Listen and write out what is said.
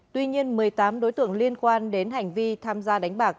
tuy nhiên một mươi tám đối tượng liên quan đến hành vi tham gia đánh bạc